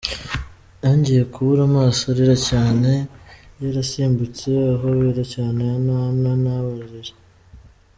Yongeye kubura amaso arira cyane, yarasimbutse ahobera cyane Anna, Anna nawe ararira.